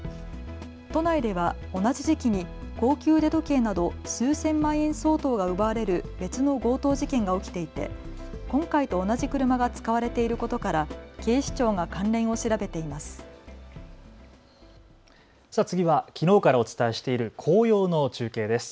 都内では同じ時期に高級腕時計など数千万円相当が奪われる別の強盗事件が起きていて今回と同じ車が使われていることから警視庁が関連を調べています。